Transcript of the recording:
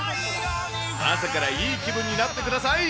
朝からいい気分になってください。